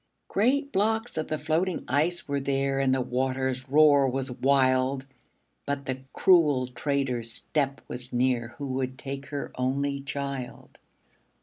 Great blocks of the floating ice were there, And the water's roar was wild, But the cruel trader's step was near, Who would take her only child.